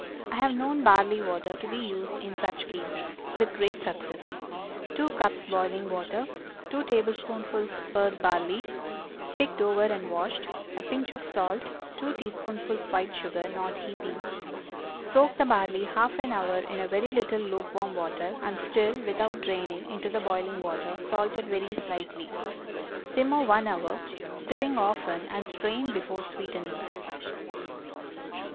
I have known barley water to be used, in such cases, with great success. 2 cups boiling water. 2 tablespoonfuls pearl barley—picked over and washed. A pinch of salt. 2 teaspoonfuls white sugar—not heaping. Soak the barley half an hour in a very little lukewarm water, and stir, without draining, into the boiling water, salted very slightly. Simmer one hour, stirring often, and strain before sweetening.